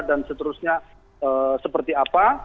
dan seterusnya seperti apa